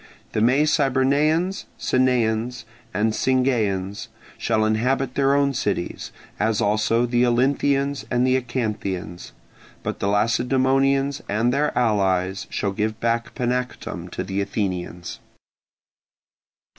The Mecybernaeans, Sanaeans, and Singaeans shall inhabit their own cities, as also the Olynthians and Acanthians: but the Lacedaemonians and their allies shall give back Panactum to the Athenians.